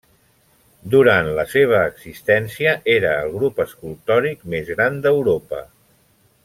Durant la seva existència era el grup escultòric més gran d'Europa.